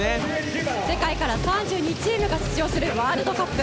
世界から３２チームが出場するワールドカップ。